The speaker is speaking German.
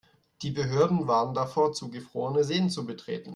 Die Behörden warnen davor, zugefrorene Seen zu betreten.